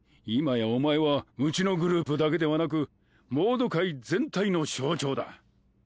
今やお前はうちのグループだけではなくモード界全体の象徴だ。